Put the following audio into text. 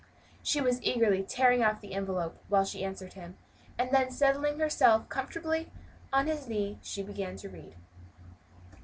She was eagerly tearing off the envelope while she answered him, and then settling herself comfortably she began to read.